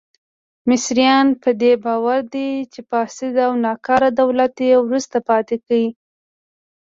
مصریان په دې باور دي چې فاسد او ناکاره دولت یې وروسته پاتې کړي.